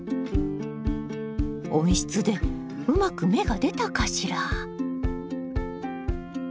温室でうまく芽が出たかしら？